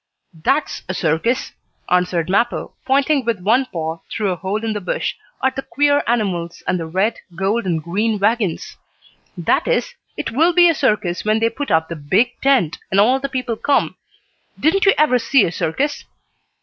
"That's a circus," answered Mappo, pointing with one paw through a hole in the bush, at the queer animals, and the red, gold and green wagons. "That is, it will be a circus when they put up the big tent, and all the people come. Didn't you ever see a circus?"